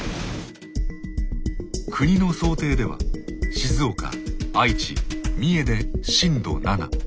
国の想定では静岡愛知三重で震度７。